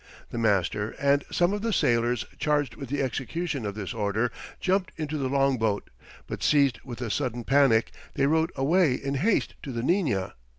The master and some of the sailors charged with the execution of this order, jumped into the long boat, but seized with a sudden panic, they rowed away in haste to the Nina.